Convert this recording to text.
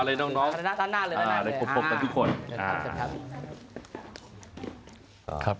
สวัสดีครับ